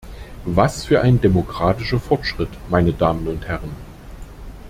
Was für ein demokratischer Fortschritt, meine Damen und Herren!